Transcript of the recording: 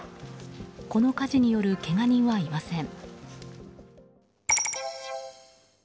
この火事によるけが人はいません。